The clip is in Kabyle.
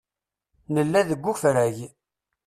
Nella deg ufrag.